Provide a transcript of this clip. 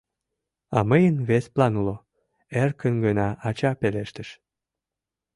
— А мыйын вес план уло, — эркын гына ача пелештыш.